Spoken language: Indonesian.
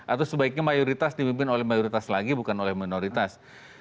atau sebaiknya mayoritas dipimpin oleh mayoritas lagi bukan oleh minoritas